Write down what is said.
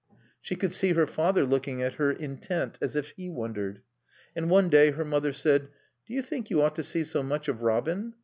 She could see her father looking at her, intent, as if he wondered. And one day her mother said, "Do you think you ought to see so much of Robin?